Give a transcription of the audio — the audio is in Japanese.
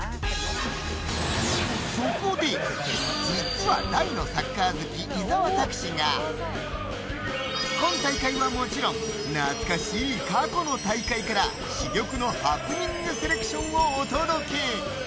そこで、実は大のサッカー好き、伊沢拓司が今大会はもちろん懐かしい過去の大会から珠玉のハプニングセレクションをお届け。